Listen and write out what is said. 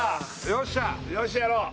よしやろう